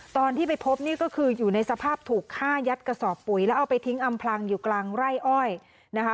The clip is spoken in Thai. ตอนที่ไปพบนี่ก็คืออยู่ในสภาพถูกฆ่ายัดกระสอบปุ๋ยแล้วเอาไปทิ้งอำพลังอยู่กลางไร่อ้อยนะคะ